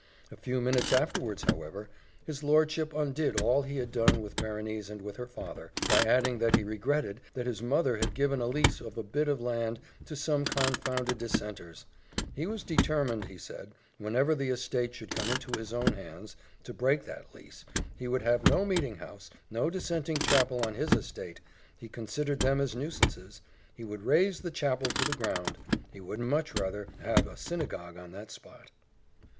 A few minutes afterwards, however, his lordship undid all he had done with Berenice and with her father, by adding that he regretted that his mother had given a lease of a bit of land to some confounded dissenters: he was determined, he said, whenever the estate should come into his own hands, to break that lease he would have no meeting house, no dissenting chapel on his estate he considered them as nuisances he would raze the chapel to the ground he would much rather have a synagogue on that spot.